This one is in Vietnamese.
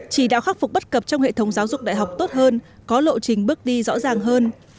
chỉ đạo khắc phục bất cập trong hệ thống giáo dục đại học tốt hơn có lộ trình bước đi rõ ràng hơn